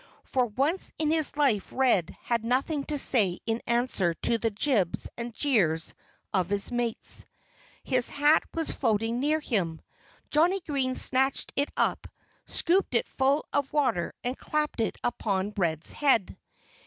For once in his life Red had nothing to say in answer to the jibes and jeers of his mates. His hat was floating near him. Johnnie Green snatched it up, scooped it full of water and clapped it upon Red's head.